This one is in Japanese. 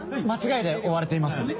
間違いで追われています。